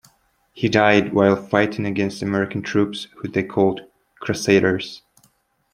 He died while fighting against American troops who they called "Crusaders".